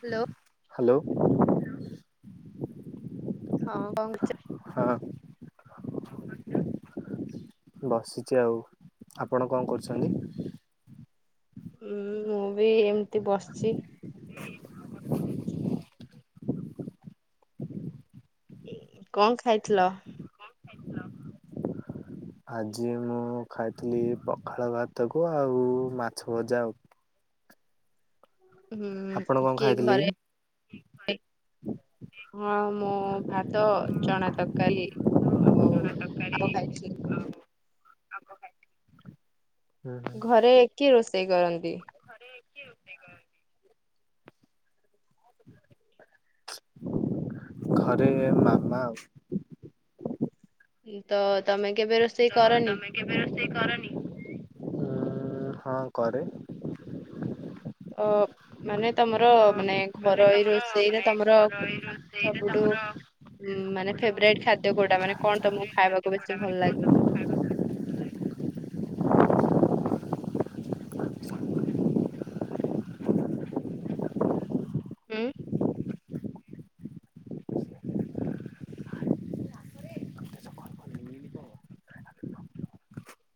Hello. Hello. ହଁ କଣ କରଛ। ହଁ। ବସିଛି ଆଉ ଆପଣ କଣ କରୁଛନ୍ତି? ହୁଁ ମୁଁ ବି ଏମିତି ବସିଛି। କଣ ଖାଇଥିଲ? ଆଜି ମୁଁ ଖାଇଥିଲି ପଖାଳ ଭାତକୁ ଆଉ ମାଛ ଭଜା ଆଉ। ଆପଣ ହୁଁ କଣ କିଏ ଖାଇଥିଲେ ଘରେ କି? ହଁ ମୁଁ ଭାତ ଚଣା ତରକାରୀ। ଆଉ ଆଉ ଖାଇଛି ଘରେ କିଏ ରୋଷେଇ କରନ୍ତି? କିଏ ରୋଷେଇ କରନ୍ତି? ଘରେ ମାମା ଆଉ। ତ ତମେ କେବେ ରୋ ତ ତମେ କେବେ ରୋଷେଇ କରନି। ଉଁ ହଁ କରେ। ତ ମାନେ ତମର ମାନେ ଘର ଏଇ ରୋଷେଇରେ ତମର ରୋଷେଇ ରେ ତମର ମ ମାନେ ଫେବରାଇଟ ଖାଦ୍ୟ କୋଉଁଟା। ମାନେ କଣ ତମକୁ ଖାଇବାକୁ ବେଶୀ ଭଲ ଲାଗେ? ହୁଁ।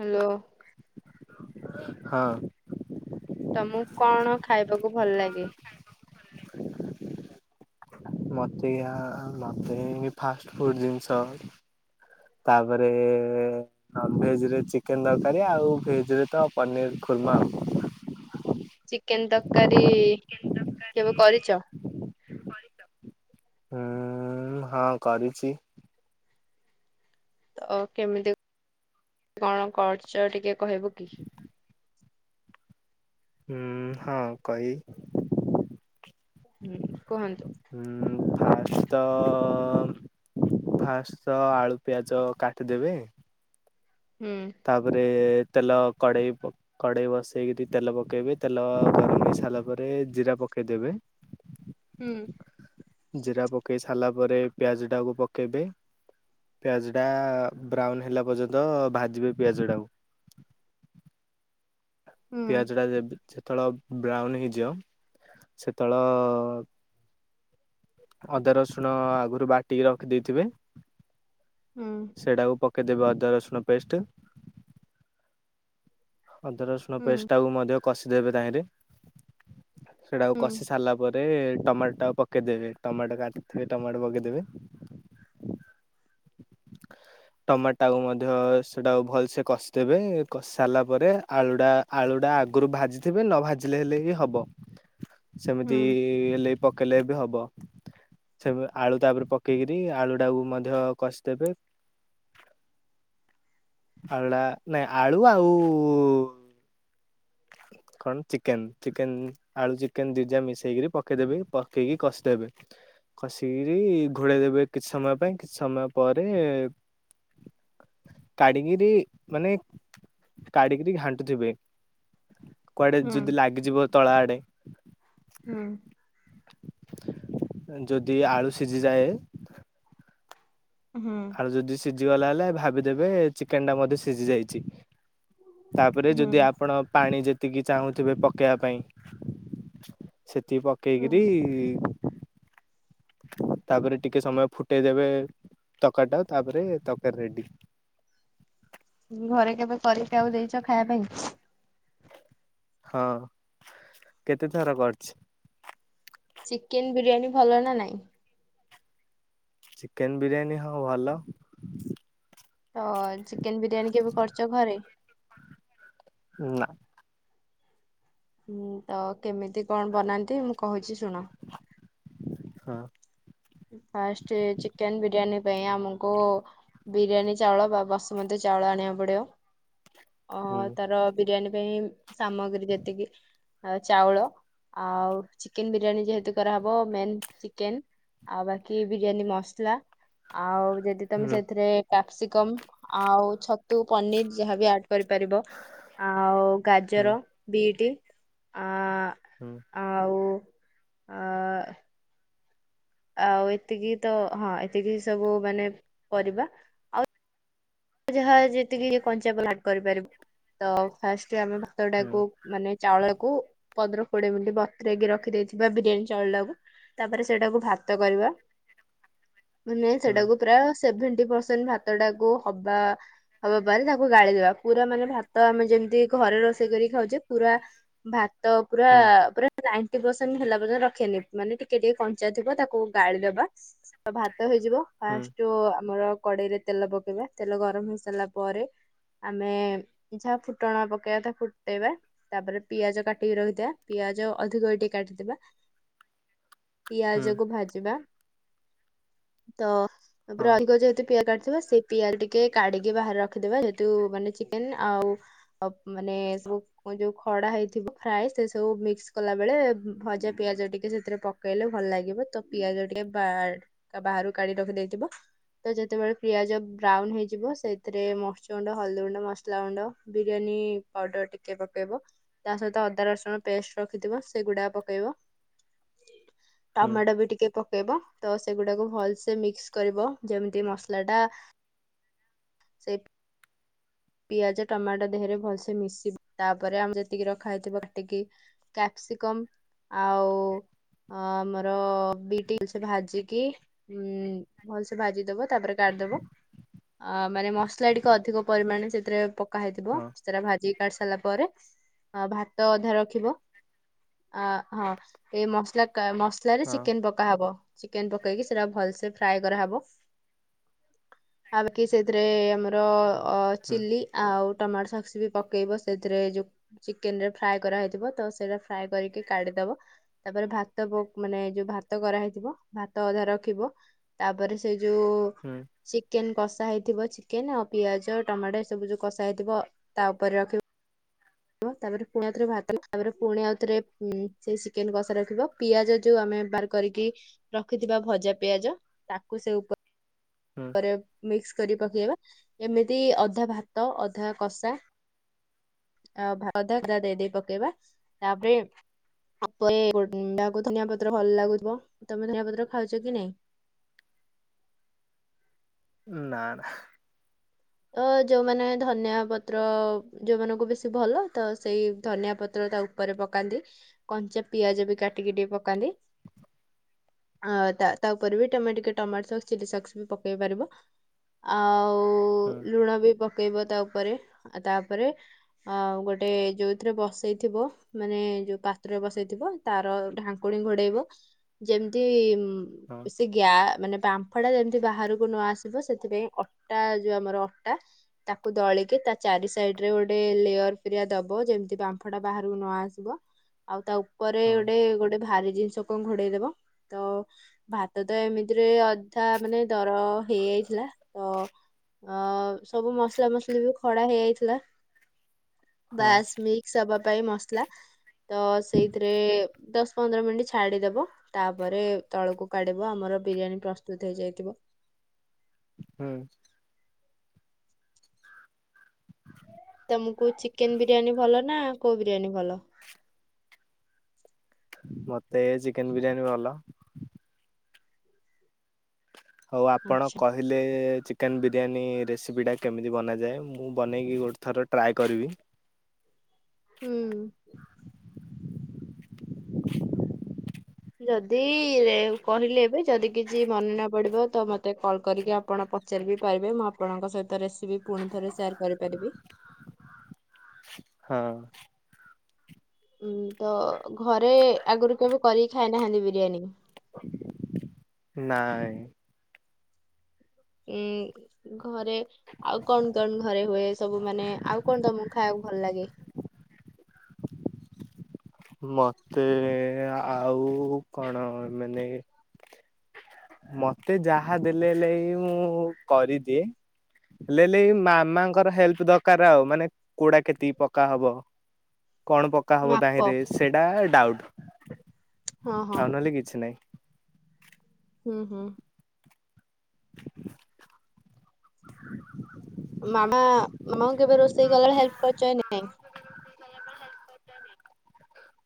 ହ୍ୟାଲୋ। ହଁ। ତମକୁ କଣ ଖାଇବାକୁ ଭଲ ଲାଗେ? ମୋତେ ଆ ମୋତେ ଫାଷ୍ଟ ଫୁଡ଼୍ ଜିନିଷ। ତାପରେ ନନ ଭେଜ ରେ ଚିକେନ ତରକାରୀ, ଆଉ ଭେଜରେ ତ ପନିର। ଖୁର୍ମା। ଚିକେନ ତରକାରୀ କେବେ କରିଛ? ହୁଁ ହଁ କରିଛି। ତ କେମିତି କଣ କରିଛ ଟିକେ କହିବ କି? ହୁଁ ହଁ କହିବି। ହୁଁ କୁହନ୍ତୁ। ଫାର୍ଷ୍ଟ ତ ଫାସ୍ଟ ଆଳୁ ପିଆଜ କାଟିଦେବେ ହୁଁ। ତାପରେ ତେଲ କଡ଼େଇ କଡ଼େଇ ବସେଇକରି ତେଲ ପକାଇବେ ତେଲ ଗରମ ହେଇ ସାରିଲା ପରେ ଜିରା ପ ଦେବେ ହୁଁ। ଜିରା ପକେଇ ସାରିଲା ପରେ ପିଆଜ ଟାକୁ ପକେଇବେ ପିଆଜ ଟା ବ୍ରାଉନ ହେଲା ପର୍ଯ୍ୟନ୍ତ ଭାଜିବେ ପିଆଜ ଟାକୁ ହୁଁ ପିଆଜ ଟା ଦେବି ଛେ ଯେତତେଳେ ବ୍ରାଉନ ହେଇଯିବ ସେତଳ ଅଦା ରସୁଣ ଆଗରୁ ବାଟିକି ରଖି ଦେଇଥିବେ ହୁଁ ସେଇଟାକୁ ପକେଇଦବା ଅଦା ରସୁଣ ପେଷ୍ଟ ଅଦା ରସୁଣ ପେଷ୍ଟ ଟାକୁ ମଧ୍ୟ କଷିଦେବେ ତାହିଁରେ ସେଟାକୁ ହୁଁ କଷି ସାରିଲା ପରେ ରେ ଟମାଟୋ ଟା ପକେଇଦେବେ ଟମାଟୋ କାଟିଥିବେ ଟମାଟୋ ପକେଇଦେବେ ଟମାଟୋକୁ ମଧ୍ୟ ସେଟା ଭଲ ସେ କଷିଦେବେ କସି ସାରିଲା ତାପ ଆଳୁଟା ଆଳୁଟା ଆଗରୁ ଭାଜିଥିବେ ନ ଭାଜିଲେ ହେଲେ ବି ହବ। ହୁଁ ହୁଁ ସେମିତି ହେଲେ ପକେଇଲେ ବି ହବ। ସେ ଆଳୁ ତାପରେ ପକେଇକିରି ଆଳୁ ଟାକୁ ମଧ୍ୟ କଷିଦେବେ ଆଳୁଟା ନାଇଁ ଆଳୁ ଆଉ କଣ ଚିକେନ ଚିକେନ ଆଳୁ ଚିକେନ ଦିଜା ମିଶେଇକରି ପକେଇଦେବ ପକେଇକି କଷିଦେବେ କସିକିରି ଘୋଡେଇ ଦେବେ କିଛି ସମୟ ପାଇଁ କିଛି ସମୟ ପରେ କଢ଼ିକିରି ମାନେ କଢ଼ିକିରି ଘାଣ୍ଟୁଥିବେ। କୁଆଡେ ହୁଁ ଯଦି ଲାଗିଯିବ ତଳ ଆଡେ ଯଦି ଆଳୁ ସିଝିଯାଏ ହୁଁ ଆଉ ଯଦି ସିଝି ଗଲା ହେଲେ ଭାବିଦେବେ ଚିକେନ ଟା ମଧ୍ୟ ସିଝି ଯାଇଛି। ତାପରେ ହୁଁ ହୁଁ ଯଦି ଆପଣ ପାଣି ଯେ ଏତିକି ଚାହୁଁଥିବେ ପକେଇବା ପାଇଁ ସେତିକି ପକେଇକରି ହୁଁ ତାପରେ ଟିକେ ସମୟ ଫୁଟେଇ ଦେବେ ତରକାରୀ ଟା ତାପରେ ତରକାରୀ ରେଡି। ଘରେ କେବେ କରିକି ଆଉ ଦେଇଛ ଖାଇବା ପାଇଁ? ହଁ କେତେଥର କରିଛି। ଚିକେନ ବିରିୟାନୀ ଭଲ ନା ନାଇଁ? ଚିକେନ ବିରିୟାନୀ ହଁ ଭଲ। ତ ଚିକେନ ବିରିୟାନୀ କେବେ କରିଚ ଘରେ? ନା। ହୁଁ ତ କେମିତି କଣ ବନାନ୍ତି ମୁଁ କହୁଛି ଶୁଣ। ହଁ। ଫାଷ୍ଟ ଚିକେନ ବିରିୟାନୀ ପାଇଁ ଆମକୁ ବିରିୟାନୀ ଚାଉଳ ବା ବସୁମତୀ ଚାଉଳ ଆଣିବାକୁ ପଡ଼ିବ। ଅ ହୁଁ ତାର ବିରିୟାନୀ ପାଇଁ ସାମଗ୍ରୀ ଯେତିକି ଆ ଚାଉଳ ଆଉ ଚିକେନ ବିରିୟାନୀ ଯେହେତୁ କରାହେବ ମେନ ଚିକେନ୍ ଆଉ ବାକି ବିରିୟାନୀ ମସଲା ଆଉ ଯଦି ତମେ ହୁଁ ସେଥିରେ କ୍ୟାପସିକମ୍ ଆଉ ଛତୁ ପନିର ଯାହାବି ଆ କରିପାରିବ ଆଉ ହୁଁ ଗାଜର, ବିଟ ଅ ହୁଁ ଆଉ ଆ ଆଉ ଏତିକି ତ ହଁ ଏତିକି ସବୁ ମାନେ ପରିବା ଆଉ ଯାହା ଯେତିକି ଯ କଞ୍ଚା ପଲଟ୍ କରିପାରିବୁ ତ ଫାଷ୍ଟ ସେ ଆମେ ଭାତ ହୁଁ ଟାକୁ ମାନେ ଚାଉଳକୁ ପନ୍ଦର କୋଡିଏ ମିନିଟ ବତୁରେଇକି ରଖିଦେଇଥିବା, ବିରିୟାନୀ ଚାଉଳଟାକୁ ତାପରେ ସେଇଟାକୁ ଭାତ କରିବା। [inaudible] ମାନେ ହୁଁ ସେଟାକୁ ପ୍ରାୟ, ସେଭେଣ୍ଟି ପରସେଣ୍ଟ ଭାତ ଟାକୁ ହବା ହବା ପାରେ ତାକୁ ଗାଳିଦବା। ପୁରା ମାନେ ଭାତ ଆମେ ଯେମିତି ଘରେ ରୋଷେଇ କରି ଖାଉଛେ, ପୁରା ପୁରା ଭାତ ପୁରା ହୁଁ ପୁରା [unintelligible] ତି ପସେନ୍ ହେଲା ପର୍ଯ୍ୟନ୍ତ ରଖେନି ମାନେ ଟିକେ ଟିକେ କଞ୍ଚା ଥିବ ତାକୁ ଗାଳି ଦବା। ଭାତ ତ ହେଇଯିବ ହୁଁ ଫାଷ୍ଟ ଯଉ ଆମର କଡେଇରେ ତେଲ ପକେଇବା। ତେଲ ଗରମ ହେଇ ସାରିଲା ପରେ ଆମେ ଯାହା ଫୁଟଣ ପକେଇବା ତା ଫୁଟେଇବା ତାପରେ ପିଆଜ କାଟିକି ରଖିଦବା। ପିଆଜ ଆଜ ଅଧିକ ଟେ କାଟିଦେବା। ଆ ପିଆଜ କୁ ଭାଜବା। ତ ତାପରେ ହଁ ଅଧିକ ଯେହେତୁ ପିଆ କାଟିଥିବା ସେଇ ପିଆଲ ଟିକ୍ ଟିକେ କାଢି଼କି ବାହାରେ ରଖିଦବା। ଯେହେତୁ ମାନେ ଚିକେନ୍ ଆଉ ମାନେ ସବୁ ଯଉ ଖ କଡ଼ା ହେଇଥିବ ଫ୍ରାଏ, ସେସବୁ ମିକ୍ସ କଲାବେଳେ ଭଜା ପିଆଜ ଟିକେ ସେଥିରେ ପକେଇଲେ ଭଲ ଲାଗିବ। ତ ପିଆଜ ଟିକେ ବାର-ବାହାରୁ କାଢି ରଖିଦେଇଥିବ ତ ଯେତେବେଳେ ପିଆଜ ବ୍ରାଉନ ହେଇଯି ଯିବ। ସେଥିରେ ମରିଚ ଗୁଣ୍ଡ, ହଳଦୀ ଗୁଣ୍ଡ, ମସଲା ଗୁଣ୍ଡ, ବିରିୟାନୀ ପାଉଡର ଟିକେ ପକେଇବ। ତା ସହିତ ଅଦା ରସୁଣ ପେଷ୍ଟ ରଖିଥିବ, ସେଗୁଡାକ ପକେଇବ। ହୁଁ ଟମାଟୋ ବି ଟିକେ ପକେଇବ। ତ ସେଗୁଡାକୁ ଭଲସେ ମିକ୍ସ କରିବ, ଯେମିତି ମସଲା ଟା ସେଇ ପିଆଜ ଟମାଟୋ ଦେହରେ ଭଲସେ ମିଶିବ। ତାପରେ ଆମେ ଯେତିକି ରଖା ହେଇଥିବ ହେତିକି କ୍ୟାପସ୍ ସିକମ୍ ଆଉ ଅ ଆମର ବି ଟିଲ୍ସ ଭାଜିକି, ଉଁ ଭଲ୍ ସେ ଭାଜିଦବ ତାପରେ ଗା ଦବ ମାନେ ମସଲା ଟିକେ ଅଧିକ ପରିମାଣରେ ସେଥିରେ ପକା ହେଇଥିବ। ହଁ ସେରା ଭାଜି କାଢି ସାରିଲା ପରେ ଭାତ ଅଧା ରଖିବ। ଆ ହଁ ଏଇ ମସଲା କା ମସଲାରେ ହଁ ଚିକେନ ପକା ହବ। ଚିକେନ ପକେଇକି ସେଟା ଭଲସେ ଫ୍ରାଏ କରାହବ। ଆଉ କିି ସେଥିରେ ଆମର ଅ ହୁଁ ଚିଲି ଆଉ ଟମାଟୋ ସକ୍ସ ବି ପକେଇବ। ସେଥିରେ ଯୋଉ ଚିକେନ ରେ ଫ୍ରାଏ କରାହେଇଥିବ, ତ ସେଇଟା ଫ୍ରାଏ କରିକି କାଢ଼ିଦ ଦବ। ତାପରେ ଭାତ ବୋ ମାନେ ଯୋଉ ଭାତ କରାହେଇଥିବ ଭାତ ଅଧା ରଖିବ, ତାପରେ ସେ ଯୋଉ ହୁଁ ଚିକେନ କଷା ହେଇଥିବ। ଚିକେନ ଆଉ ପିଆଜ ଟମାଟୋ ଏସବୁ ଯୋଉ କଷା ହେଇଥିବ, ତା ଉପରେ ରଖିବ। ତାପରେ ପୁଣି ଆଉ ଥରେ ଭାତ, ତାପରେ ପୁଣି ଆଉଥରେ ସେ ଚିକେନ କଷା ରଖିବ। ପିଆଜ ଯୋଉ ଆମେ ବାର କରିକି ରଖିଥିବା ଭଜା ପିଆଜ, ତାକୁ ସେ ଉ ହୁଁ ପରେ ମିକ୍ସ କରି ପକେଇବା ଏମିତି ଅଧା ଭାତ, ଅଧା କଷା ଆ ଭା ଅଧା ଅଧା ଦେଇ ଦେଇ ପକେଇବା। ତାପରେ ହାକୁଲ୍ ଯାହାକୁ ଧନିଆ ପତ୍ର ଭଲ ଲାଗୁଥିବ। ତମେ ଧନିଆ ପତ୍ର ଖାଉଛ କି ନାଇଁ? ନା ନା। ତ ଯୋଉମାନେ ଧନିଆ ପତ୍ର ଯୋଉମାନଙ୍କୁ ବେଶୀ ଭଲ, ତ ସେଇ ଧନିଆ ପତ୍ର ତା ଉପରେ ପକାନ୍ତି। କଞ୍ଚା ପିଆଜ ବି କାଟିକି ଟିକେ ପକାନ୍ତି। ଆ ତା ତା ଉପରେ ବି ତମେ ଟିକେ ଟମାଟୋ ସକ୍ସ ଚିଲି ସକ୍ସ ବି ପକେଇ ପାରିବ। ଆଉ ହୁଁ ଲୁଣ ବି ପକେଇବ, ତା ଉପ ପରେ, ତାପରେ ଅ ଗୋଟେ ଯୋଉଥିରେ ବସେଇଥିବ, ମାନେ ଯୋଉ ପାତ୍ର ବସେଇଥିବ। ତାର ଢାଙ୍କୁଣି ଘୋଡେଇବ ଯେମତି ହଁ ସେ ଗ୍ୟା ମାନେ ବାମ୍ଫ ଟା ଯେମିତି ବାହାରକୁ ନ ଆସିବ! ସେଥିପାଇଁ ଅଟା ଯୋଉ ଆମର ତାକୁ ଦଳିକି ତା ଚାରି ସାଇଡ ରେ ଗୋଟେ ଲେୟର ଫିରିଆ ଦବ ଯେମିତି ବାମ୍ଫ ଟା ବାହାରକୁ ନୂଆ ଆସିବ ଆଉ ତା ଉପରେ ହଁ ଗୋଟେ ଗୋଟେ ଭାରି ଜିନିଷ ଘୋଡେଇଦବ ତ ଭାତ ତ ଏମିତିରେ ଅଧା ମାନେ ଦର ହେଇଯାଇଥି ଲା ତ ଅ ସବୁ ମସଲା ମୁସୁଲି ବି ଖଡା ହେଇଯାଇଥିଲା। ହଁ ବାସ୍ ମିକ୍ସବା ହବା ପାଇଁ ମସଲା ତ ସେଇଥିରେ ଦଶ ପନ୍ଦର ମିନିଟ ଛାଡିଦବ ତାପରେ ତଳକୁ କାଢିବ। ଆମର ବିରିୟାନୀ ପ୍ରସ୍ତୁତ ହେଇଯାଇଥିବ। ହୁଁ। ତମକୁ ଚିକେନ ବିରିୟାନୀ ଭଲ ନା? କୋଉ ବିରିୟାନୀ ଭଲ? ମତେ ଚିକେନ ବିରିୟାନୀ ଭଲ। ହଉ ଆପଣ ଆଚ୍ଛା କହିଲେ ଚି ଚିକେନ ବିରିୟାନୀ ରେସିପିଟା କେମିତି ବନାଯାଏ। ମୁଁ ବନେଇକି ଗୋଟେ ଥର ଟ୍ରାଏ କରିବି। ହୁଁ। [inaudible] ଯଦି କହିଲେ ଏବେ ଯଦି କିଛି ମନେ ନ ପଡିବ ତ ମତେ କଲ୍ କରିକି ଆପଣ ପଚାରିିବି ପାରିବେ। ମୁଁ ଆପଣଙ୍କ ସହିତ ରେସିପି ପୁଣି ଥରେ ସେୟାର କରିପାରିବି। [inaudible] ହଁ। ହୁଁ ତ ଘରେ ଆଗରୁ କେବେ କରିକି ଖାଇନାହାନ୍ତି ବିରିୟାନୀ? ନାଇଁ। ଉଁ ଘରେ ଆଉ କଣ କଣ ଘରେ ହୁଏ। ସବୁ ମାନେ ଆଉ କଣ ତମକୁ ଖାଇବାକୁ ଭଲ ଲାଗେ? [inaudible] ମତେ ଆଉ କଣ ମାନେ ମତେ ଯାହା ଦେଲେ ହେଲେ ମୁଁ କରିଦିଏ। ହେଲେଲେ ମାମାଙ୍କର ହେଲ୍ପ ଦରକାର ଆଉ। ମାନେ କୁଡା କେତିକି ପକା ହବ, କଣ ପକା ହବ ମାପ ଦାହିଁ ରେ? ସେଟା ଡାଉଟ। ହଁ ହଁ ଆଉ ନହେଲେ କିଛି ନାହିଁ। ଉଁ ହୁଁ। ମାମା ମାମାଙ୍କୁ କେବେ ରୋଷେଇ କଲାବେଳେ ହେଲ୍ପ କରିଛ କି ନାଇଁ?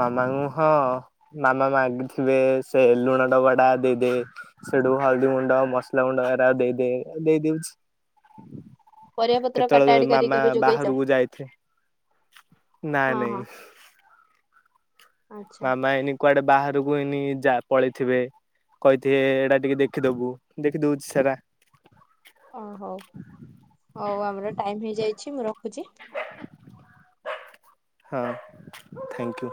ମାମାଙ୍କୁ ହଁ ମାମା ମାଗିଥିବେ ସେ ଲୁଣ ଡବାଟା ଦେଇ ଦେ। ସେଠୁ ହଳଦୀ ଗୁଣ୍ଡ, ମସଲା ମୁଣ୍ଡ ଏରା ଦେଇ ଦେ ଦେଇଦଉଛି। ପରିବା ପତ୍ର କେତେବେଳେ କାଟାକାଟି କରିକି ମାମା କେବେ ଯୋଗେଇଛ? ବାହାରକୁ ଯାଇଥିବେ? ନାଇଁ ହଁ ହଁ ନାଇଁ। ଆଚ୍ଛା ମାମା ଏଇନେ କୁଆଡେ ବାହାରକୁ କୁହେନି ଯା ପଳେଇଥିବେ କହିଥିବେ ଏଇଟା ଟିକେ ଦେଖିଦବୁ, ଦେଖି ଦଉଛି ସେରା। ଓ ହଉ ହଉ ଆମର ଟାଇମ ହେଇଯାଇଛି ମୁଁ ରଖୁଛି। ହଁ ଥାଙ୍କ ୟୁ।